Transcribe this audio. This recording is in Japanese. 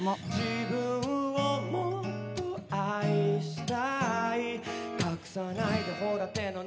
「自分をもっと愛したい」「隠さないでほら手の鳴る方へ」